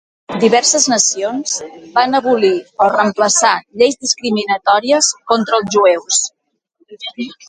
Diverses nacions van abolir o reemplaçar lleis discriminatòries contra els jueus.